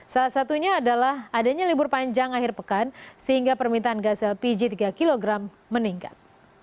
salah satunya adalah adanya libur panjang akhir pekan sehingga permintaan gas lpg tiga kg meningkat